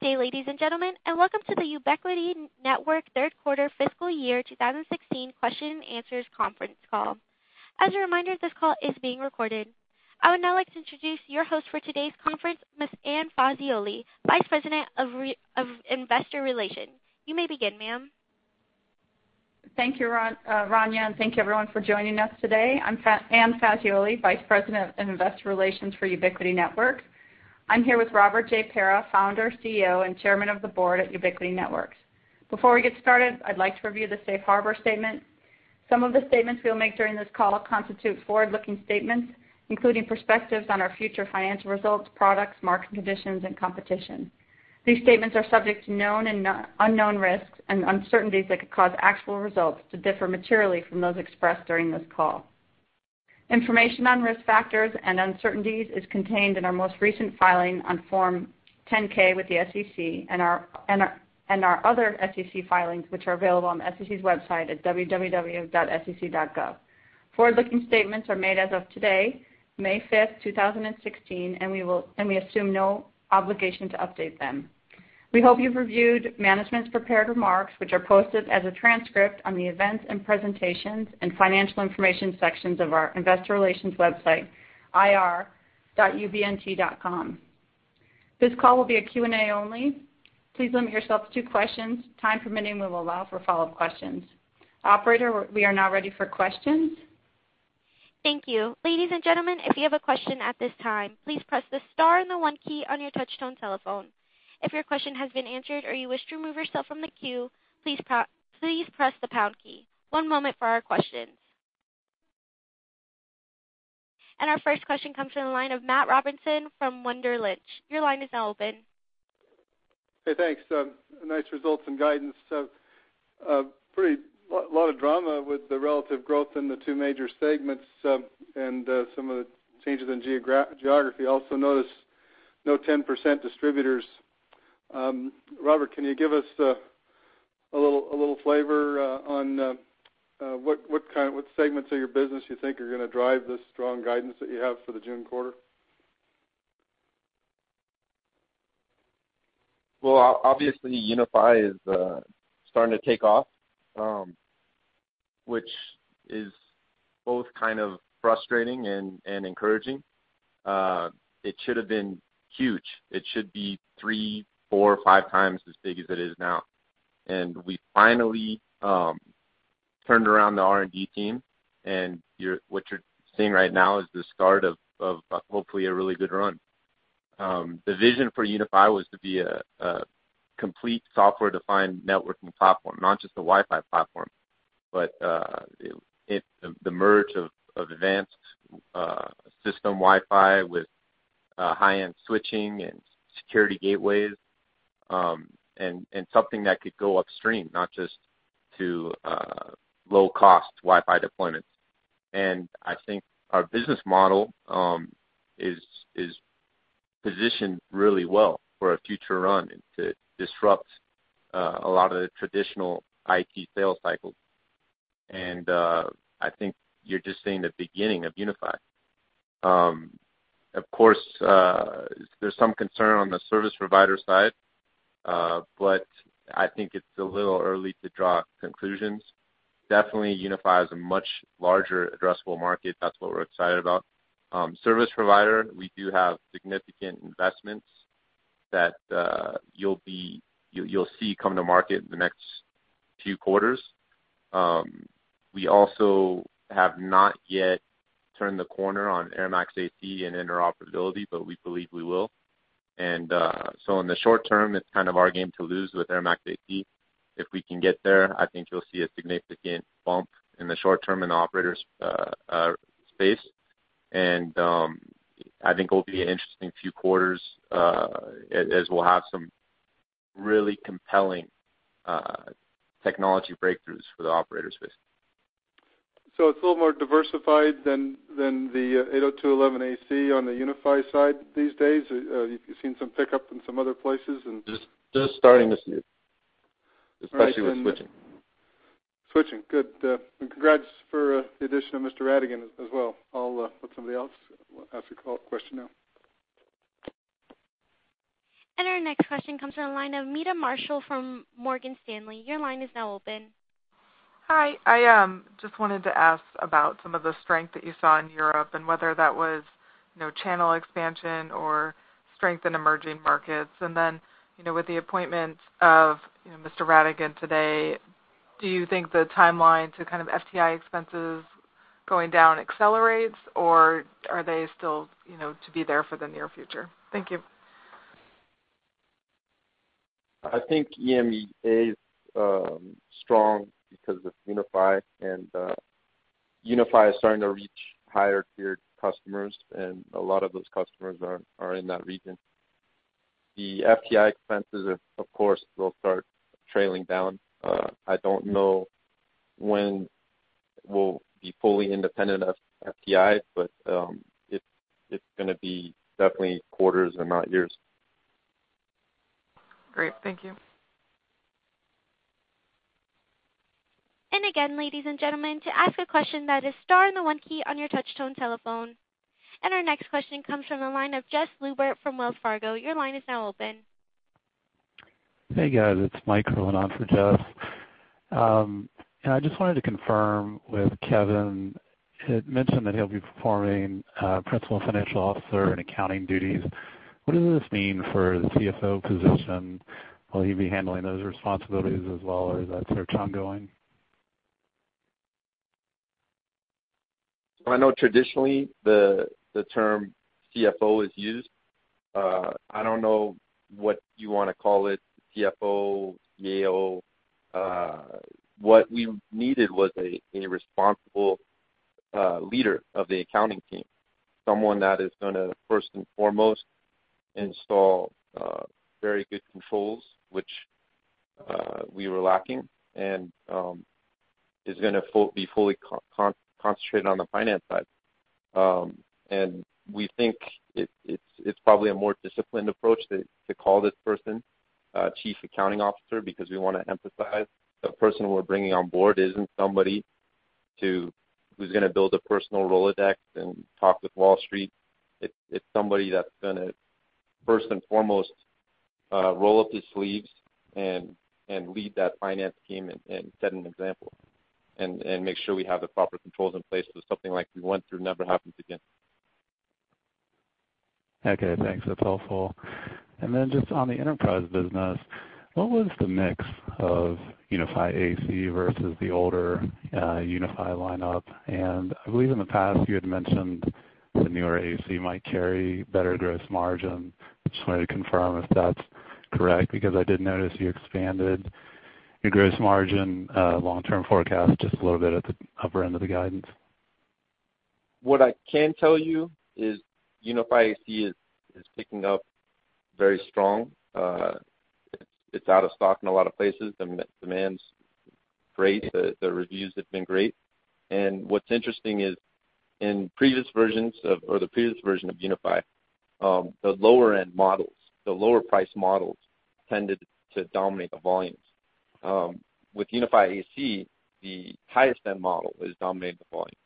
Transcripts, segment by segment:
Good day, ladies and gentlemen, and welcome to the Ubiquiti Networks Third Quarter Fiscal Year 2016 Question and Answers Conference call. As a reminder, this call is being recorded. I would now like to introduce your host for today's conference, Ms. Anne Fazioli, Vice President of Investor Relations. You may begin, ma'am. Thank you, Ronnie, and thank you, everyone, for joining us today. I'm Anne Fazioli, Vice President of Investor Relations for Ubiquiti Networks. I'm here with Robert J. Pera, Founder, CEO, and Chairman of the Board at Ubiquiti Networks. Before we get started, I'd like to review the Safe Harbor Statement. Some of the statements we'll make during this call constitute forward-looking statements, including perspectives on our future financial results, products, market conditions, and competition. These statements are subject to known and unknown risks and uncertainties that could cause actual results to differ materially from those expressed during this call. Information on risk factors and uncertainties is contained in our most recent filing on Form 10-K with the SEC and our other SEC filings, which are available on the SEC's website at www.sec.gov. Forward-looking statements are made as of today, May 5th, 2016, and we assume no obligation to update them. We hope you've reviewed management's prepared remarks, which are posted as a transcript on the Events and Presentations and Financial Information sections of our Investor Relations website, ir.ubnt.com. This call will be a Q&A only. Please limit yourself to two questions. Time permitting, we will allow for follow-up questions. Operator, we are now ready for questions. Thank you. Ladies and gentlemen, if you have a question at this time, please press the star and the one key on your touch-tone telephone. If your question has been answered or you wish to remove yourself from the queue, please press the pound key. One moment for our questions. Our first question comes from the line of Matt Robinson from Wedbush Securities. Your line is now open. Hey, thanks. Nice results and guidance. A lot of drama with the relative growth in the two major segments and some of the changes in geography. Also noticed no 10% distributors. Robert, can you give us a little flavor on what segments of your business you think are going to drive this strong guidance that you have for the June quarter? Obviously, UniFi is starting to take off, which is both kind of frustrating and encouraging. It should have been huge. It should be three, four, five times as big as it is now. We finally turned around the R&D team, and what you're seeing right now is the start of hopefully a really good run. The vision for UniFi was to be a complete software-defined networking platform, not just a Wi-Fi platform, but the merge of advanced system Wi-Fi with high-end switching and security gateways, and something that could go upstream, not just to low-cost Wi-Fi deployments. I think our business model is positioned really well for a future run and to disrupt a lot of the traditional IT sales cycles. I think you're just seeing the beginning of UniFi. Of course, there's some concern on the service provider side, but I think it's a little early to draw conclusions. Definitely, UniFi is a much larger addressable market. That's what we're excited about. Service provider, we do have significant investments that you'll see come to market in the next few quarters. We also have not yet turned the corner on airMAX AC and interoperability, but we believe we will. In the short term, it's kind of our game to lose with airMAX AC. If we can get there, I think you'll see a significant bump in the short term in the operator space. I think it will be an interesting few quarters as we'll have some really compelling technology breakthroughs for the operator space. It's a little more diversified than the 802.11ac on the UniFi side these days? You've seen some pickup in some other places? Just starting to see it, especially with switching. Switching. Good. Congrats for the addition of Mr. Radigan as well. I'll let somebody else ask a question now. Our next question comes from the line of Meta Marshall from Morgan Stanley. Your line is now open. Hi. I just wanted to ask about some of the strength that you saw in Europe and whether that was channel expansion or strength in emerging markets. Then, with the appointment of Mr. Radigan today, do you think the timeline to kind of FTI expenses going down accelerates, or are they still to be there for the near future? Thank you. I think EMEA is strong because of UniFi, and UniFi is starting to reach higher-tier customers, and a lot of those customers are in that region. The FTI expenses, of course, will start trailing down. I don't know when we'll be fully independent of FTI, but it's going to be definitely quarters and not years. Great. Thank you. Again, ladies and gentlemen, to ask a question, that is star and the one key on your touch-tone telephone. Our next question comes from the line of Mike, substituting for Jess Lubert from Wells Fargo. Your line is now open. Hey, guys. It's Mike calling on for Jess. I just wanted to confirm with Kevin. He had mentioned that he'll be performing principal financial officer and accounting duties. What does this mean for the CFO position? Will he be handling those responsibilities as well, or is that sort of ongoing? I know traditionally the term CFO is used. I don't know what you want to call it, CFO, Yale. What we needed was a responsible leader of the accounting team, someone that is going to, first and foremost, install very good controls, which we were lacking, and is going to be fully concentrated on the finance side. We think it's probably a more disciplined approach to call this person Chief Accounting Officer because we want to emphasize the person we're bringing on board isn't somebody who's going to build a personal Rolodex and talk with Wall Street. It's somebody that's going to, first and foremost, roll up his sleeves and lead that finance team and set an example and make sure we have the proper controls in place so something like we went through never happens again. Okay. Thanks. That's helpful. Just on the enterprise business, what was the mix of UniFi AC versus the older UniFi lineup? I believe in the past you had mentioned the newer AC might carry better gross margin. Just wanted to confirm if that's correct because I did notice you expanded your gross margin long-term forecast just a little bit at the upper end of the guidance. What I can tell you is UniFi AC is picking up very strong. It's out of stock in a lot of places. The demand's great. The reviews have been great. What's interesting is in previous versions or the previous version of UniFi, the lower-end models, the lower-priced models tended to dominate the volumes. With UniFi AC, the highest-end model is dominating the volume,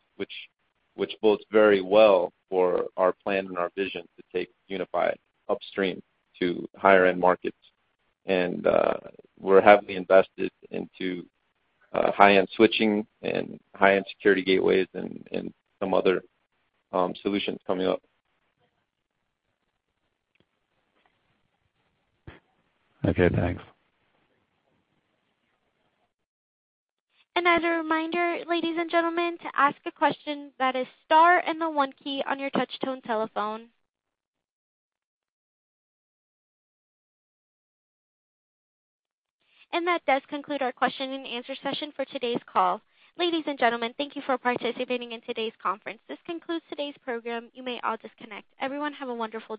which bodes very well for our plan and our vision to take UniFi upstream to higher-end markets. We're heavily invested into high-end switching and high-end security gateways and some other solutions coming up. Okay. Thanks. As a reminder, ladies and gentlemen, to ask a question, that is star and the one key on your touch-tone telephone. That does conclude our question and answer session for today's call. Ladies and gentlemen, thank you for participating in today's conference. This concludes today's program. You may all disconnect. Everyone, have a wonderful.